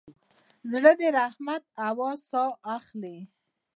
زړه د رحمت هوا ساه اخلي.